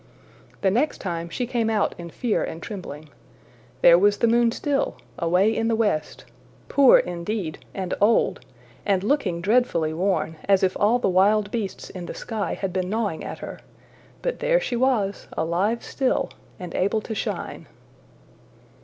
The next time, she came out in fear and trembling. There was the moon still! away in the west poor, indeed, and old, and looking dreadfully worn, as if all the wild beasts in the sky had been gnawing at her but there she was, alive still, and able to shine!